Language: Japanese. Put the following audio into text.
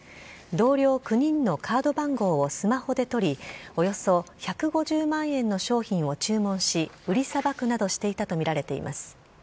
同僚９人のカード番号をスマホで撮り、およそ１５０万円の商品を注文し、売りさばくなどしていたと見られています。